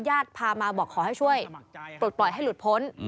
ญาติพามาบอกขอให้ช่วยปลดปล่อยให้หลุดพ้น